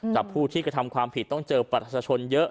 ผู้ที่กระทำความผิดต้องเจอประชาชนเยอะ